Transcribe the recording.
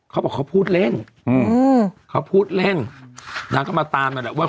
เขาบอกเขาพูดเล่นอืมเขาพูดเล่นนางก็มาตามนั่นแหละว่า